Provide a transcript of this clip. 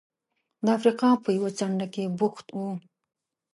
د افریقا په یوه څنډه کې بوخت و.